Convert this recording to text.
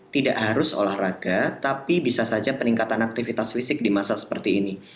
tidak harus olahraga tapi bisa saja peningkatan aktivitas fisik di masa seperti ini